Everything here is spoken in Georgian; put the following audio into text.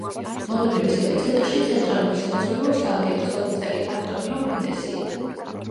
მოვლენების ეპიცენტრში ცენტრალური სადაზვერვო სააგენტოს ოფიცერი, ანტონიო მენდესია.